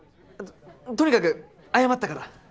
とにかく謝ったから。